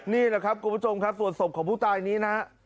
นี่แหละครับคุณผู้ชมครับส่วนศพของผู้ตายนี้นะฮะ